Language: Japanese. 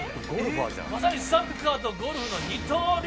まさにサッカーとゴルフの二刀流。